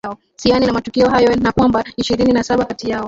siana na matukio hayo na kwamba ishirini na saba kati yao